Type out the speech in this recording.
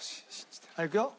はいいくよ。